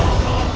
aku tidak berat